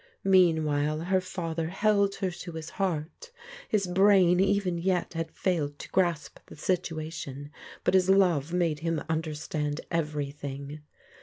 Meanwhile, her father held her to his heart. His brain even yet had failed to grasp the situation, but his love made him understand everything.